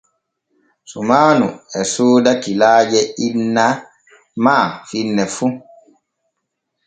Sumaanu e sooda kilaaje inna ma finne fu.